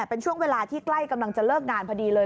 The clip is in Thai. เป็นช่วงเวลาที่ใกล้กำลังจะเลิกงานพอดีเลย